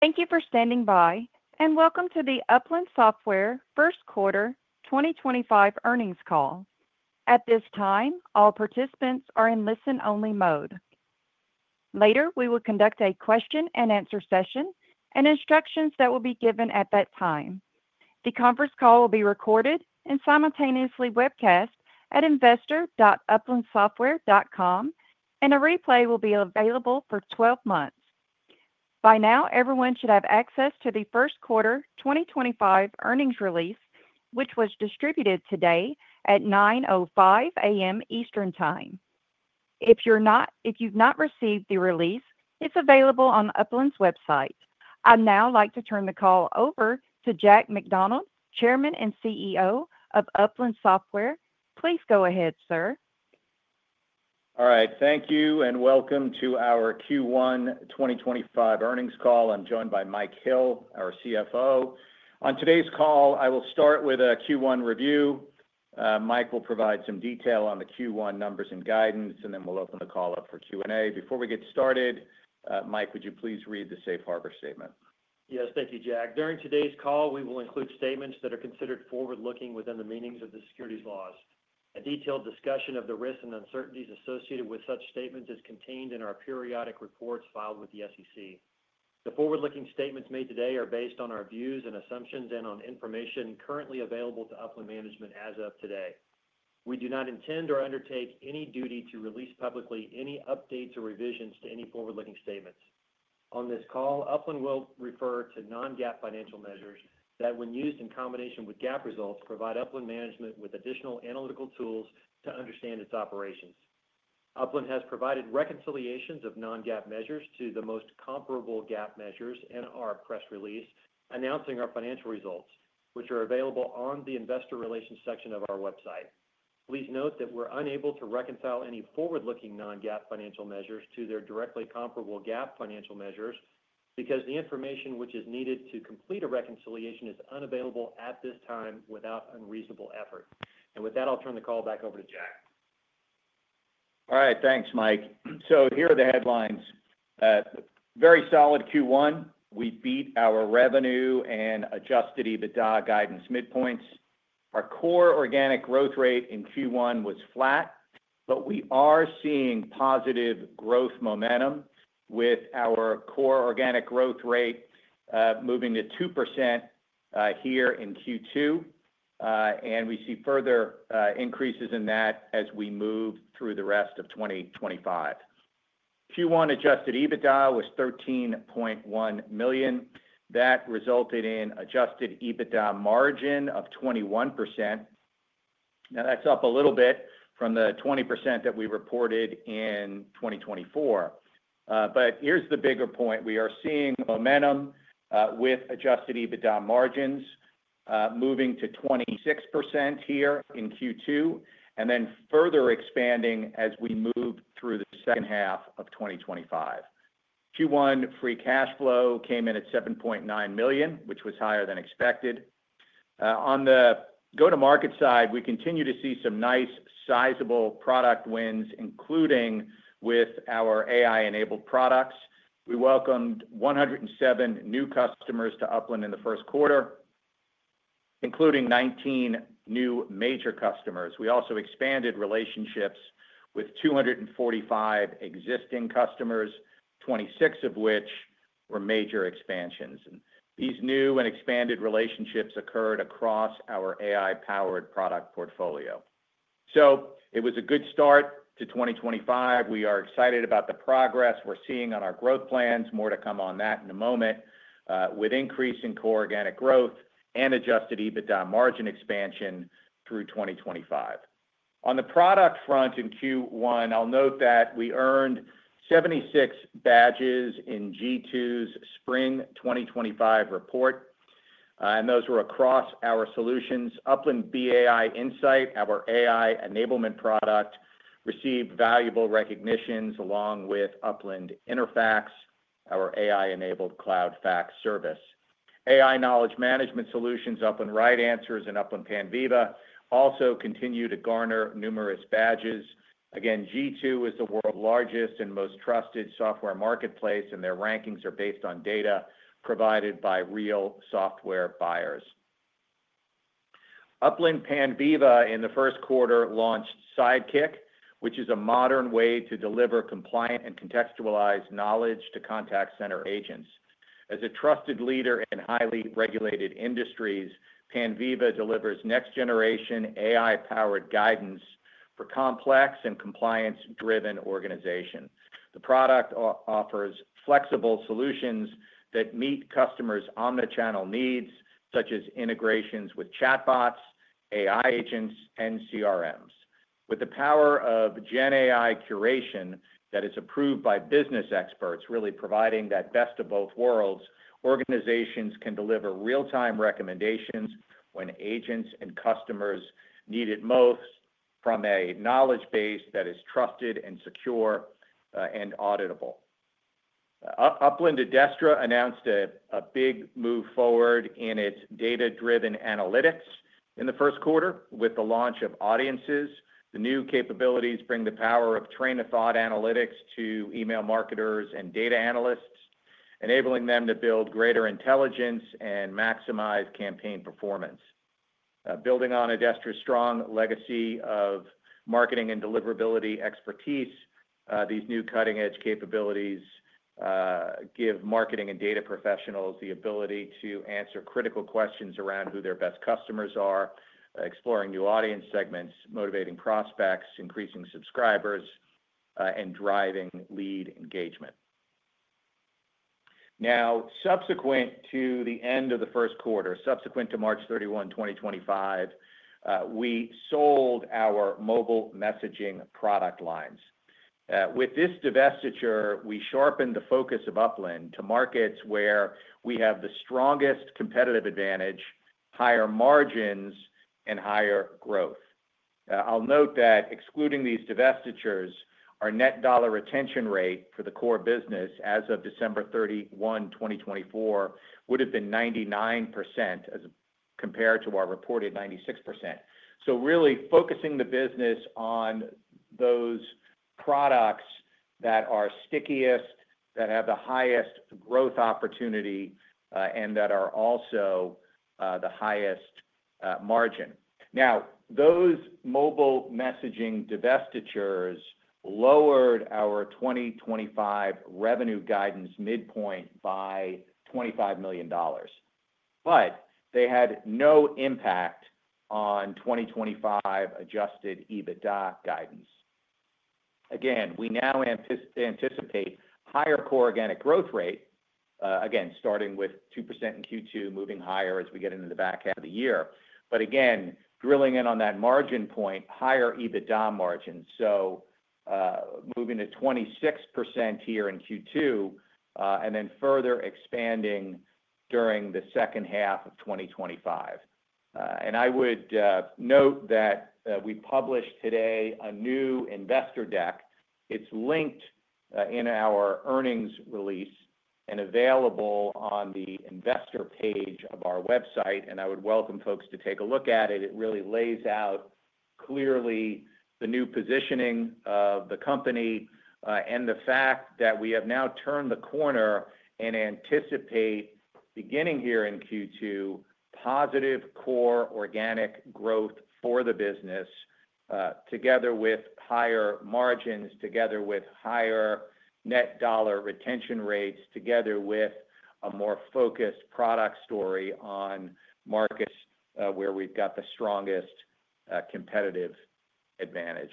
Thank you for standing by, and welcome to the Upland Software first quarter 2025 earnings call. At this time, all participants are in listen-only mode. Later, we will conduct a question-and-answer session and instructions that will be given at that time. The conference call will be recorded and simultaneously webcast at investor.uplandsoftware.com, and a replay will be available for 12 months. By now, everyone should have access to the first quarter 2025 earnings release, which was distributed today at 9:05 AM Eastern Time. If you've not received the release, it's available on Upland's website. I'd now like to turn the call over to Jack McDonald, Chairman and CEO of Upland Software. Please go ahead, sir. All right. Thank you, and welcome to our Q1 2025 earnings call. I'm joined by Mike Hill, our CFO. On today's call, I will start with a Q1 review. Mike will provide some detail on the Q1 numbers and guidance, and then we'll open the call up for Q&A. Before we get started, Mike, would you please read the Safe Harbor Statement? Yes, thank you, Jack. During today's call, we will include statements that are considered forward-looking within the meanings of the securities laws. A detailed discussion of the risks and uncertainties associated with such statements is contained in our periodic reports filed with the SEC. The forward-looking statements made today are based on our views and assumptions and on information currently available to Upland Management as of today. We do not intend or undertake any duty to release publicly any updates or revisions to any forward-looking statements. On this call, Upland will refer to non-GAAP financial measures that, when used in combination with GAAP results, provide Upland Management with additional analytical tools to understand its operations. Upland has provided reconciliations of non-GAAP measures to the most comparable GAAP measures in our press release, announcing our financial results, which are available on the Investor Relations section of our website. Please note that we're unable to reconcile any forward-looking non-GAAP financial measures to their directly comparable GAAP financial measures because the information which is needed to complete a reconciliation is unavailable at this time without unreasonable effort. With that, I'll turn the call back over to Jack. All right. Thanks, Mike. Here are the headlines. Very solid Q1. We beat our revenue and Adjusted EBITDA guidance mid-points. Our core organic growth rate in Q1 was flat, but we are seeing positive growth momentum with our core organic growth rate moving to 2% here in Q2, and we see further increases in that as we move through the rest of 2025. Q1 Adjusted EBITDA was $13.1 million. That resulted in Adjusted EBITDA margin of 21%. Now, that's up a little bit from the 20% that we reported in 2024. Here's the bigger point. We are seeing momentum with Adjusted EBITDA margins moving to 26% here in Q2 and then further expanding as we move through the second half of 2025. Q1 free cash flow came in at $7.9 million, which was higher than expected. On the go-to-market side, we continue to see some nice sizable product wins, including with our AI-enabled products. We welcomed 107 new customers to Upland in the first quarter, including 19 new major customers. We also expanded relationships with 245 existing customers, 26 of which were major expansions. These new and expanded relationships occurred across our AI-powered product portfolio. It was a good start to 2025. We are excited about the progress we're seeing on our growth plans. More to come on that in a moment with increase in core organic growth and Adjusted EBITDA margin expansion through 2025. On the product front in Q1, I'll note that we earned 76 badges in G2's Spring 2025 Report, and those were across our solutions. Upland BA Insight, our AI-enablement product, received valuable recognitions along with Upland InterFAX, our AI-enabled cloud fax service. AI knowledge management solutions, Upland Right Answers and Upland Panviva, also continue to garner numerous badges. Again, G2 is the world's largest and most trusted software marketplace, and their rankings are based on data provided by real software buyers. Upland Panviva in the first quarter launched Sidekick, which is a modern way to deliver compliant and contextualized knowledge to contact center agents. As a trusted leader in highly regulated industries, PanViva delivers next-generation AI-powered guidance for complex and compliance-driven organizations. The product offers flexible solutions that meet customers' omnichannel needs, such as integrations with chatbots, AI agents, and CRMs. With the power of GenAI curation that is approved by business experts, really providing that best of both worlds, organizations can deliver real-time recommendations when agents and customers need it most from a knowledge base that is trusted and secure and auditable. Upland Adestra announced a big move forward in its data-driven analytics in the first quarter with the launch of Audiences. The new capabilities bring the power of train-of-thought analytics to email marketers and data analysts, enabling them to build greater intelligence and maximize campaign performance. Building on Adestra's strong legacy of marketing and deliverability expertise, these new cutting-edge capabilities give marketing and data professionals the ability to answer critical questions around who their best customers are, exploring new audience segments, motivating prospects, increasing subscribers, and driving lead engagement. Subsequent to the end of the first quarter, subsequent to March 31, 2025, we sold our mobile messaging product lines. With this divestiture, we sharpened the focus of Upland to markets where we have the strongest competitive advantage, higher margins, and higher growth. I'll note that excluding these divestitures, our net dollar retention rate for the core business as of December 31, 2024, would have been 99% compared to our reported 96%. Really focusing the business on those products that are stickiest, that have the highest growth opportunity, and that are also the highest margin. Now, those mobile messaging divestitures lowered our 2025 revenue guidance mid-point by $25 million, but they had no impact on 2025 Adjusted EBITDA guidance. Again, we now anticipate higher core organic growth rate, starting with 2% in Q2, moving higher as we get into the back half of the year. Again, drilling in on that margin point, higher EBITDA margins, moving to 26% here in Q2 and then further expanding during the second half of 2025. I would note that we published today a new investor deck. It's linked in our earnings release and available on the Investor page of our website, and I would welcome folks to take a look at it. It really lays out clearly the new positioning of the company and the fact that we have now turned the corner and anticipate, beginning here in Q2, positive core organic growth for the business together with higher margins, together with higher net dollar retention rates, together with a more focused product story on markets where we've got the strongest competitive advantage.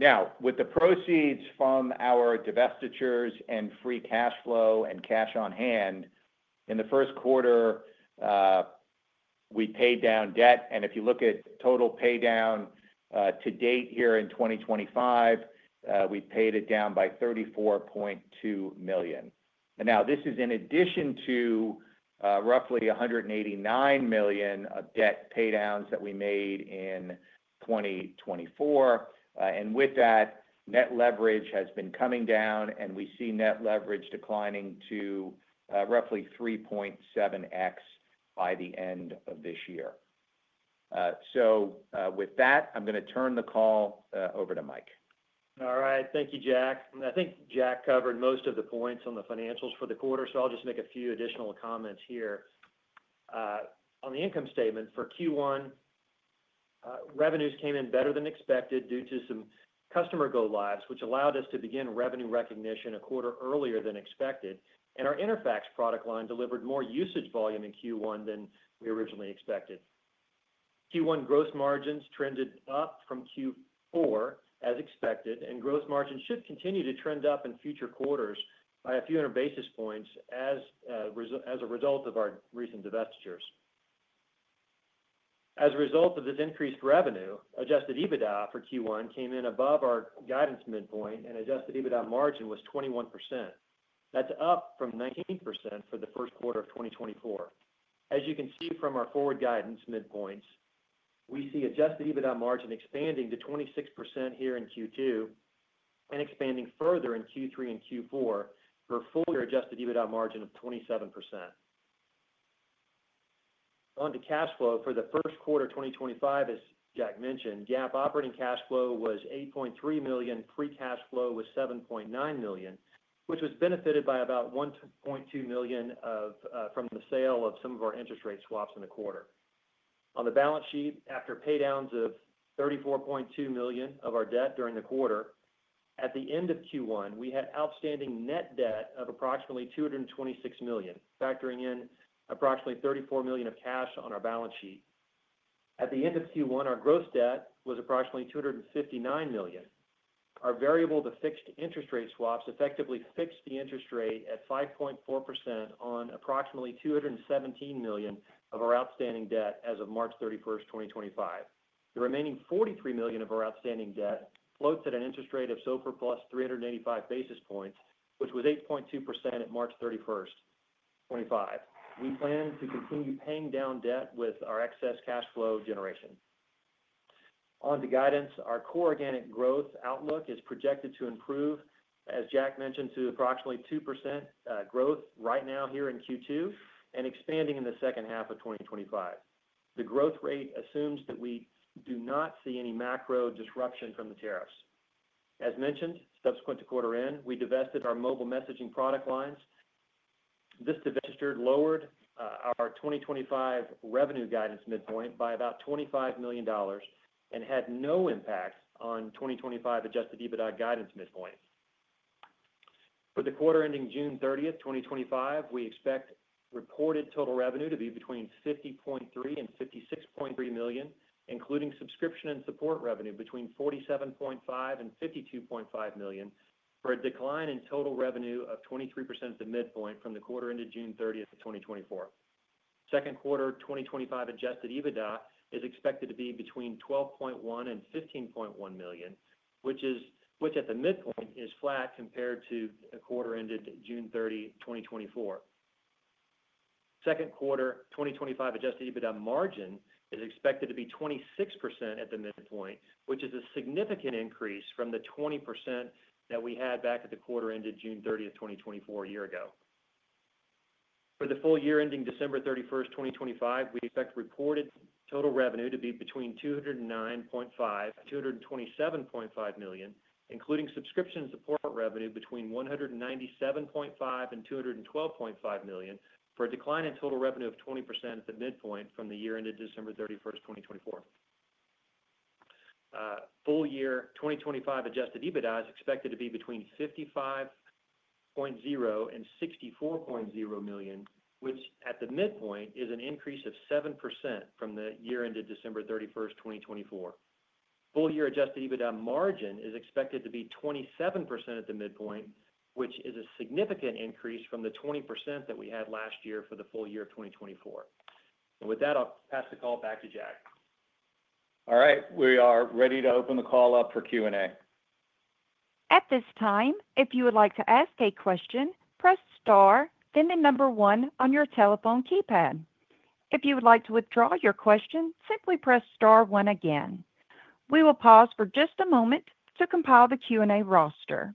Now, with the proceeds from our divestitures and free cash flow and cash on hand, in the first quarter, we paid down debt. If you look at total paydown to date here in 2025, we paid it down by $34.2 million. Now, this is in addition to roughly $189 million of debt paydowns that we made in 2024. And with that, net leverage has been coming down, and we see net leverage declining to roughly 3.7x by the end of this year. So with that, I'm going to turn the call over to Mike. All right. Thank you, Jack. I think Jack covered most of the points on the financials for the quarter, so I'll just make a few additional comments here. On the income statement for Q1, revenues came in better than expected due to some customer go-lives, which allowed us to begin revenue recognition a quarter earlier than expected. Our InterFAX product line delivered more usage volume in Q1 than we originally expected. Q1 gross margins trended up from Q4, as expected, and gross margins should continue to trend up in future quarters by a few hundred basis points as a result of our recent divestitures. As a result of this increased revenue, Adjusted EBITDA for Q1 came in above our guidance midpoint, and Adjusted EBITDA margin was 21%. That's up from 19% for the first quarter of 2024. As you can see from our forward guidance midpoints, we see Adjusted EBITDA margin expanding to 26% here in Q2 and expanding further in Q3 and Q4 for a fully Adjusted EBITDA margin of 27%. On to cash flow for the first quarter of 2025, as Jack mentioned, GAAP operating cash flow was $8.3 million. Free cash flow was $7.9 million, which was benefited by about $1.2 million from the sale of some of our interest rate swaps in the quarter. On the balance sheet, after paydowns of $34.2 million of our debt during the quarter, at the end of Q1, we had outstanding net debt of approximately $226 million, factoring in approximately $34 million of cash on our balance sheet. At the end of Q1, our gross debt was approximately $259 million. Our variable to fixed interest rate swaps effectively fixed the interest rate at 5.4% on approximately $217 million of our outstanding debt as of March 31st, 2025. The remaining $43 million of our outstanding debt floats at an interest rate of so far +385 basis points, which was 8.2% at March 31st, 2025. We plan to continue paying down debt with our excess cash flow generation. On to guidance. Our core organic growth outlook is projected to improve, as Jack mentioned, to approximately 2% growth right now here in Q2 and expanding in the second half of 2025. The growth rate assumes that we do not see any macro disruption from the tariffs. As mentioned, subsequent to quarter end, we divested our mobile messaging product lines. This divestiture lowered our 2025 revenue guidance midpoint by about $25 million and had no impact on 2025 Adjusted EBITDA guidance midpoint. For the quarter ending June 30th, 2025, we expect reported total revenue to be between $50.3 million and $56.3 million, including subscription and support revenue between $47.5 million and $52.5 million for a decline in total revenue of 23% at the midpoint from the quarter ended June 30th, 2024. Second quarter 2025 Adjusted EBITDA is expected to be between $12.1 million and $15.1 million, which at the midpoint is flat compared to the quarter ended June 30th, 2024. Second quarter 2025 Adjusted EBITDA margin is expected to be 26% at the midpoint, which is a significant increase from the 20% that we had back at the quarter ended June 30th, 2024, a year ago. For the full year ending December 31st, 2025, we expect reported total revenue to be between $209.5 million-$227.5 million, including subscription support revenue between $197.5 million-$212.5 million for a decline in total revenue of 20% at the midpoint from the year ended December 31st, 2024. Full year 2025 Adjusted EBITDA is expected to be between $55.0 million-$64.0 million, which at the midpoint is an increase of 7% from the year ended December 31st, 2024. Full year Adjusted EBITDA margin is expected to be 27% at the midpoint, which is a significant increase from the 20% that we had last year for the full year of 2024. With that, I'll pass the call back to Jack. All right. We are ready to open the call up for Q&A. At this time, if you would like to ask a question, press star, then the number one on your telephone keypad. If you would like to withdraw your question, simply press star one again. We will pause for just a moment to compile the Q&A roster.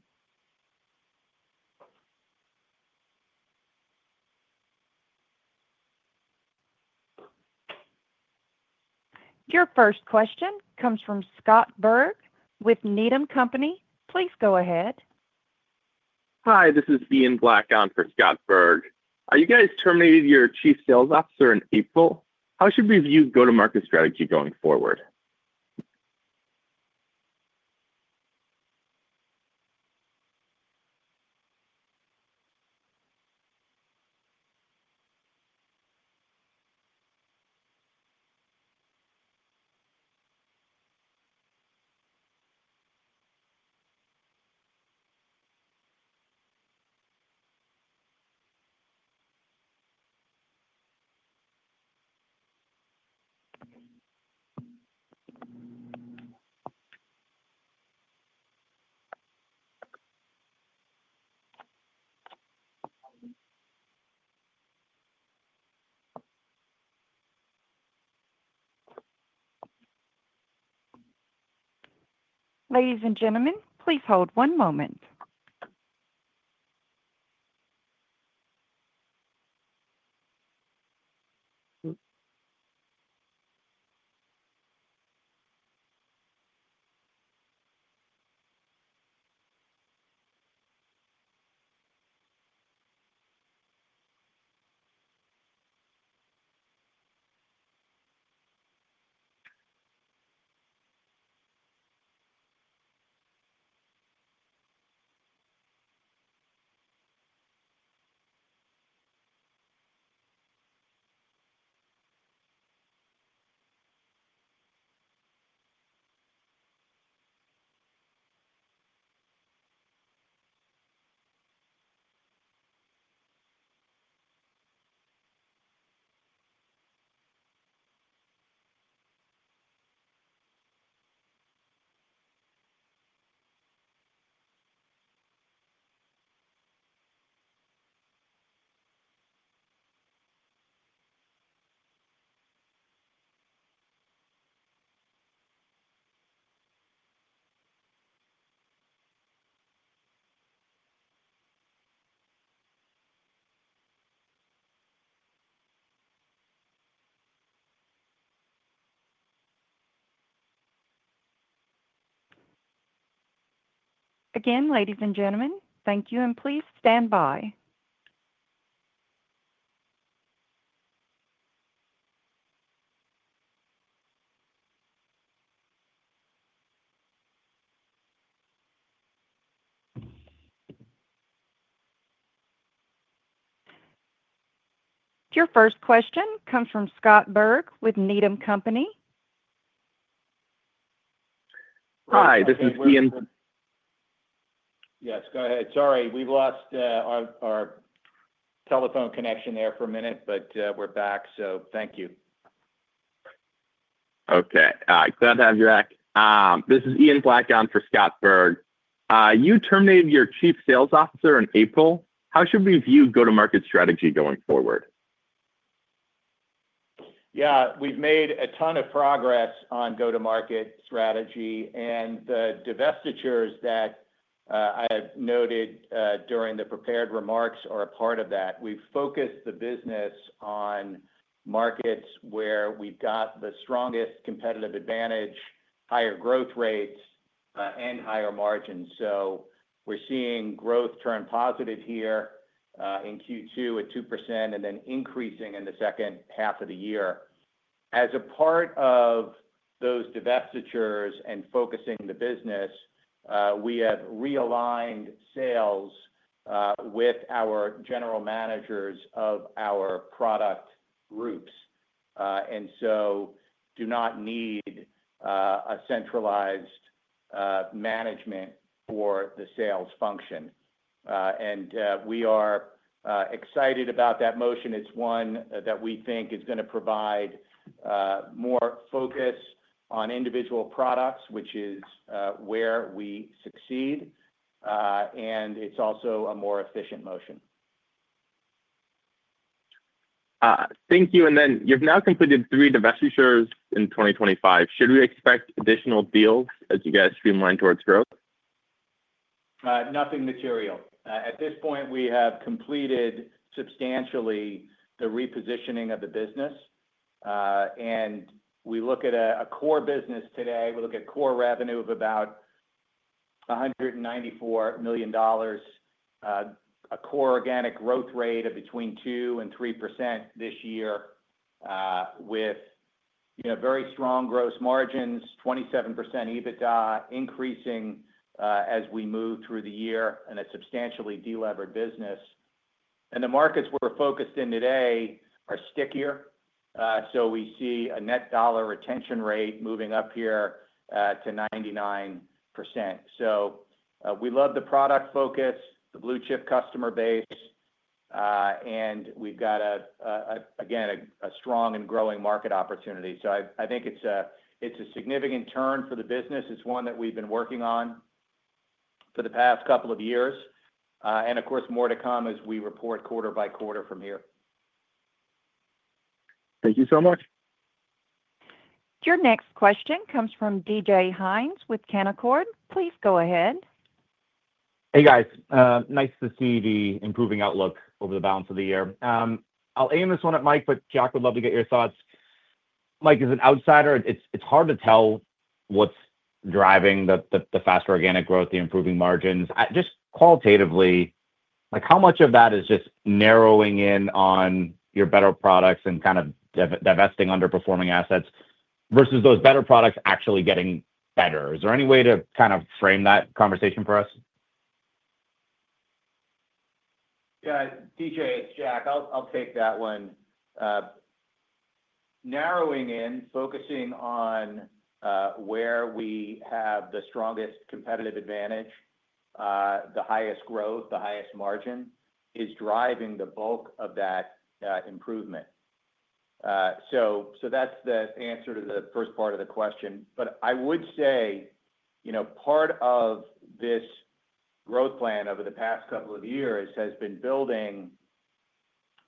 Your first question comes from Scott Berg with Needham Company. Please go ahead. Hi, this is Ian Black on for Scott Berg. Are you guys terminated your chief sales officer in April? How should we view go-to-market strategy going forward? Ladies and gentlemen, please hold one moment. Again, ladies and gentlemen, thank you and please stand by. Your first question comes from Scott Berg with Needham Company. Hi, this is Ian. Yes, go ahead. Sorry, we lost our telephone connection there for a minute, but we're back, so thank you. Okay. Glad to have you back. This is Ian Black on for Scott Berg. You terminated your chief sales officer in April. How should we view go-to-market strategy going forward? Yeah, we've made a ton of progress on go-to-market strategy, and the divestitures that I noted during the prepared remarks are a part of that. We've focused the business on markets where we've got the strongest competitive advantage, higher growth rates, and higher margins. So we're seeing growth turn positive here in Q2 at 2% and then increasing in the second half of the year. As a part of those divestitures and focusing the business, we have realigned sales with our general managers of our product groups, and so do not need a centralized management for the sales function. And we are excited about that motion. It's one that we think is going to provide more focus on individual products, which is where we succeed, and it's also a more efficient motion. Thank you. And then you've now completed three divestitures in 2025. Should we expect additional deals as you guys streamline towards growth? Nothing material. At this point, we have completed substantially the repositioning of the business, and we look at a core business today. We look at core revenue of about $194 million, a core organic growth rate of between 2% and 3% this year with very strong gross margins, 27% EBITDA increasing as we move through the year and a substantially delevered business. And the markets we're focused in today are stickier, so we see a net dollar retention rate moving up here to 99%. So we love the product focus, the blue chip customer base, and we've got, again, a strong and growing market opportunity. So I think it's a significant turn for the business. It's one that we've been working on for the past couple of years, and of course, more to come as we report quarter-by-quarter from here. Thank you so much. Your next question comes from DJ Hynes with Canaccord. Please go ahead. Hey, guys. Nice to see the improving outlook over the balance of the year. I'll aim this one at Mike, but Jack would love to get your thoughts. Mike is an outsider. It's hard to tell what's driving the faster organic growth, the improving margins. Just qualitatively, how much of that is just narrowing in on your better products and kind of divesting underperforming assets versus those better products actually getting better? Is there any way to kind of frame that conversation for us? Yeah. DJ, it's Jack. I'll take that one. Narrowing in, focusing on where we have the strongest competitive advantage, the highest growth, the highest margin is driving the bulk of that improvement. So that's the answer to the first part of the question. But I would say part of this growth plan over the past couple of years has been building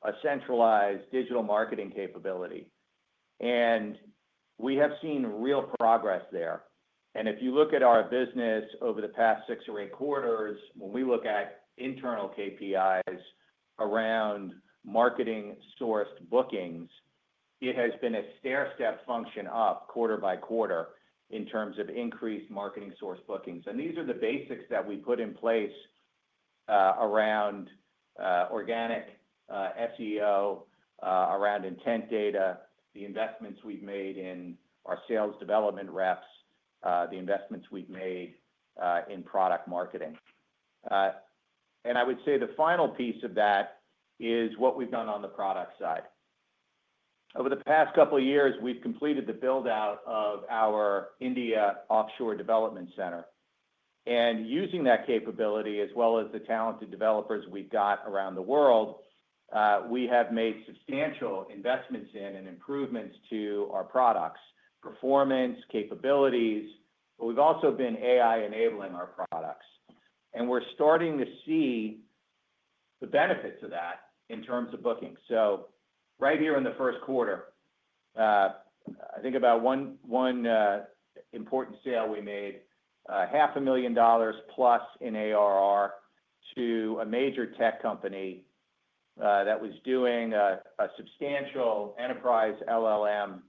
a centralized digital marketing capability, and we have seen real progress there. And if you look at our business over the past six or eight quarters, when we look at internal KPIs around marketing-sourced bookings, it has been a stairstep function up quarter-by-quarter in terms of increased marketing-sourced bookings. And these are the basics that we put in place around organic SEO, around intent data, the investments we've made in our sales development reps, the investments we've made in product marketing. And I would say the final piece of that is what we've done on the product side. Over the past couple of years, we've completed the build-out of our India offshore development center. And using that capability, as well as the talented developers we've got around the world, we have made substantial investments in and improvements to our products, performance, capabilities, but we've also been AI-enabling our products. And we're starting to see the benefits of that in terms of booking. So right here in the first quarter, I think about one important sale we made $500,000+ in ARR to a major tech company that was doing a substantial enterprise LLM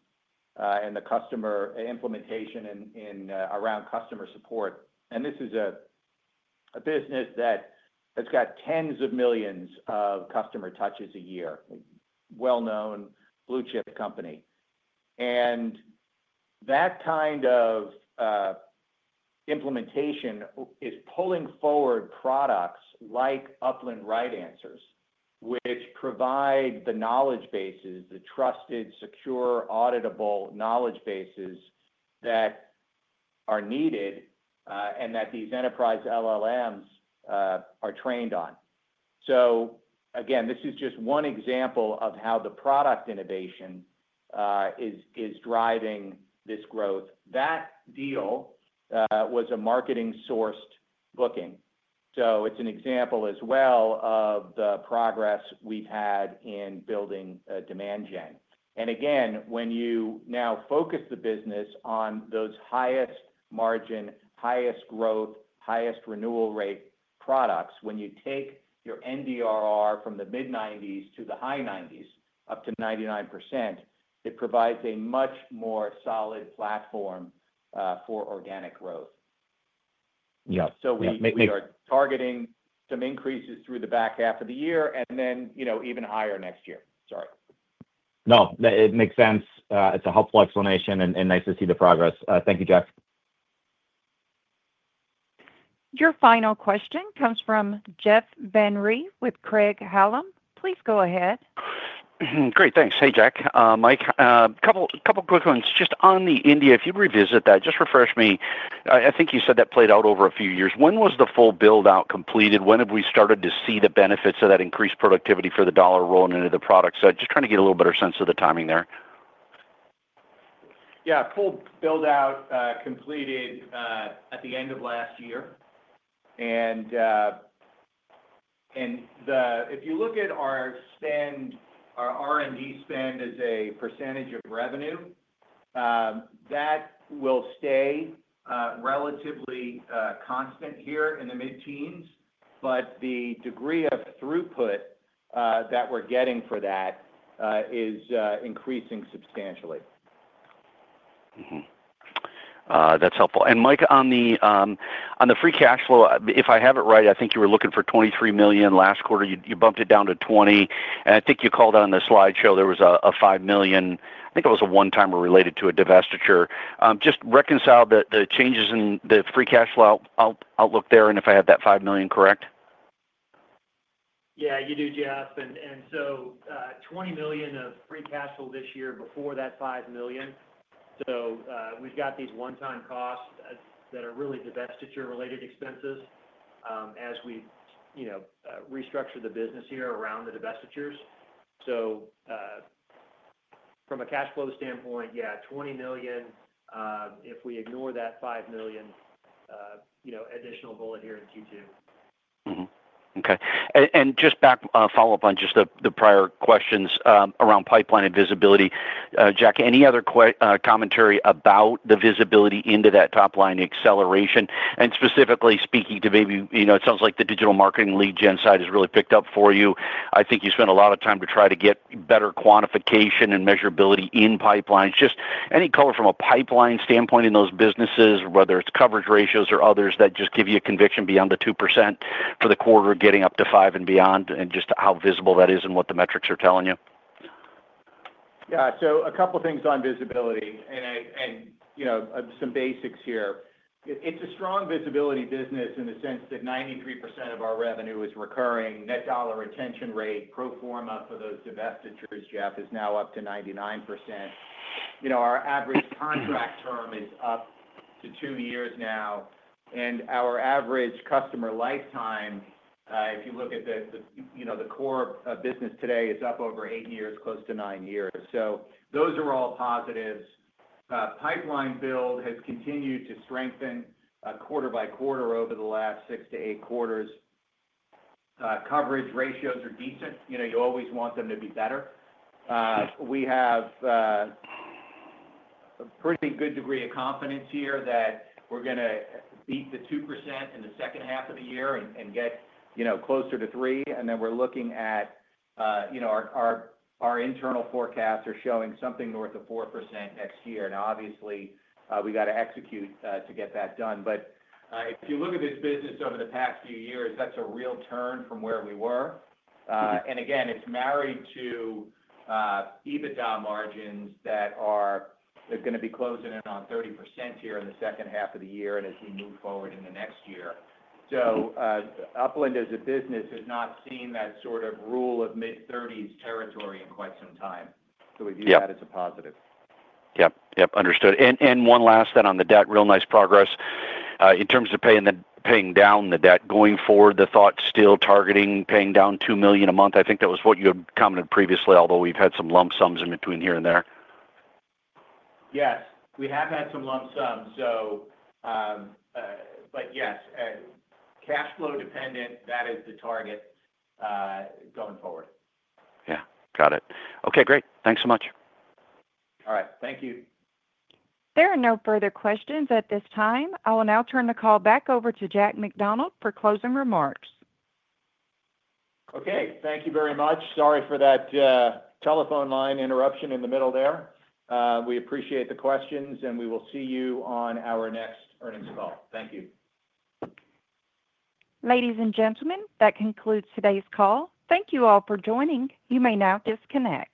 and the customer implementation around customer support. And this is a business that's got tens of millions of customer touches a year, well-known blue chip company. And that kind of implementation is pulling forward products like Upland RightAnswers, which provide the knowledge bases, the trusted, secure, auditable knowledge bases that are needed and that these enterprise LLMs are trained on. So again, this is just one example of how the product innovation is driving this growth. That deal was a marketing-sourced booking. So it's an example as well of the progress we've had in building a demand gene. And again, when you now focus the business on those highest margin, highest growth, highest renewal rate products, when you take your NDRR from the mid-90s to the high 90s up to 99%, it provides a much more solid platform for organic growth. So we are targeting some increases through the back half of the year and then even higher next year. Sorry. No, it makes sense. It's a helpful explanation and nice to see the progress. Thank you, Jack. Your final question comes from Jeff Van Rhee with Craig-Hallum. Please go ahead. Great. Thanks. Hey, Jack. Mike, a couple of quick ones. Just on the India, if you revisit that, just refresh me. I think you said that played out over a few years. When was the full build-out completed? When have we started to see the benefits of that increased productivity for the dollar rolling into the product? So just trying to get a little better sense of the timing there. Yeah. Full build-out completed at the end of last year. And if you look at our R&D spend as a percentage of revenue, that will stay relatively constant here in the mid-teens, but the degree of throughput that we're getting for that is increasing substantially. That's helpful. And Mike, on the free cash flow, if I have it right, I think you were looking for 23 million last quarter. You bumped it down to 20. And I think you called out on the slideshow, there was a 5 million. I think it was a one-timer related to a divestiture. Just reconcile the changes in the free cash flow outlook there and if I had that 5 million, correct? Yeah, you do, Jeff. And so $20 million of free cash flow this year before that $5 million. So we've got these one-time costs that are really divestiture-related expenses as we restructure the business here around the divestitures. So from a cash flow standpoint, yeah, $20 million. If we ignore that $5 million, additional bullet here in Q2. Okay. And just back, follow up on just the prior questions around pipeline and visibility. Jack, any other commentary about the visibility into that top-line acceleration? And specifically speaking to maybe it sounds like the digital marketing lead gen side has really picked up for you. I think you spent a lot of time to try to get better quantification and measurability in pipelines. Just any color from a pipeline standpoint in those businesses, whether it's coverage ratios or others that just give you a conviction beyond the 2% for the quarter, getting up to 5 and beyond, and just how visible that is and what the metrics are telling you? Yeah. So a couple of things on visibility and some basics here. It's a strong visibility business in the sense that 93% of our revenue is recurring. Net dollar retention rate, pro forma for those divestitures, Jeff, is now up to 99%. Our average contract term is up to two years now. And our average customer lifetime, if you look at the core business today, it's up over eight years, close to nine years. So those are all positives. Pipeline build has continued to strengthen quarter-by-quarter over the last six to eight quarters. Coverage ratios are decent. You always want them to be better. We have a pretty good degree of confidence here that we're going to beat the 2% in the second half of the year and get closer to 3%. And then we're looking at our internal forecasts are showing something north of 4% next year. And obviously, we got to execute to get that done. But if you look at this business over the past few years, that's a real turn from where we were. And again, it's married to EBITDA margins that are going to be closing in on 30% here in the second half of the year and as we move forward in the next year. So Upland as a business has not seen that sort of rule of mid-30s territory in quite some time. So we view that as a positive. Yep. Yep. Understood. And one last thing on the debt, real nice progress. In terms of paying down the debt going forward, the thought still targeting paying down $2 million a month. I think that was what you had commented previously, although we've had some lump sums in between here and there. Yes. We have had some lump sums. But yes, cash flow dependent, that is the target going forward. Yeah. Got it. Okay. Great. Thanks so much. All right. Thank you. There are no further questions at this time. I will now turn the call back over to Jack McDonald for closing remarks. Okay. Thank you very much. Sorry for that telephone line interruption in the middle there. We appreciate the questions, and we will see you on our next earnings call. Thank you. Ladies and gentlemen, that concludes today's call. Thank you all for joining. You may now disconnect.